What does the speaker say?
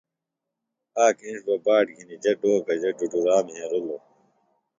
آک اِنڇ بہ باٹ گِھنیۡ جےۡ ڈوکہ جےۡ ڈُڈوۡرا مھیرِلوۡ